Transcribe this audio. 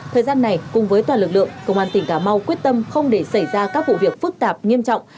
thời gian này cùng với toàn lực lượng công an tỉnh cà mau quyết tâm không để xảy ra các vụ việc phức tạp nghiêm trọng